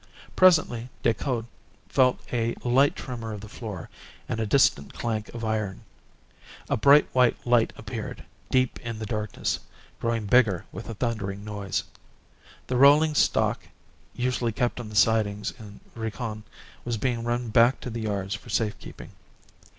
Presently Decoud felt a light tremor of the floor and a distant clank of iron. A bright white light appeared, deep in the darkness, growing bigger with a thundering noise. The rolling stock usually kept on the sidings in Rincon was being run back to the yards for safe keeping.